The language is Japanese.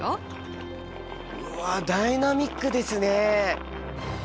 うわダイナミックですね！